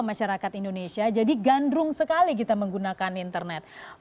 masyarakat indonesia jadi gandrung sekali kita menggunakan internet